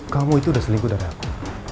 kamu itu udah selingkuh dari aku